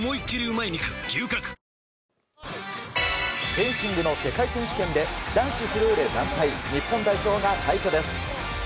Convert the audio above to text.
フェンシングの世界選手権で男子フルーレ団体日本代表が快挙です！